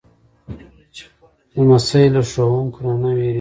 لمسی له ښوونکو نه نه وېرېږي.